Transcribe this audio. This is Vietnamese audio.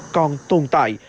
còn tồn tại